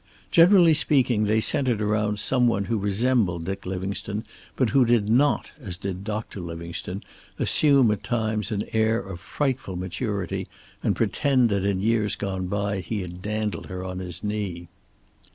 Generally speaking, they centered about some one who resembled Dick Livingstone, but who did not, as did Doctor Livingstone, assume at times an air of frightful maturity and pretend that in years gone by he had dandled her on his knee.